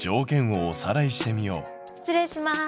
失礼します。